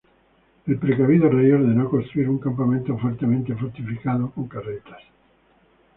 El precavido rey ordenó construir un campamento fuertemente fortificado con carretas.